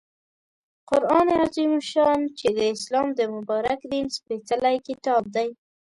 قرآن عظیم الشان چې د اسلام د مبارک دین سپیڅلی کتاب دی